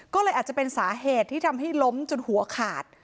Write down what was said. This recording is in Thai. ก็เลยอาจจะเป็นสาเหตุที่ทำให้ล้มจนหัวขาด